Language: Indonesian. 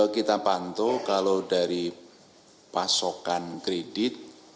kita pantau kalau dari pasokan kredit